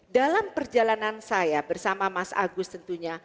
dalam perjalanan saya bersama mas agus tentunya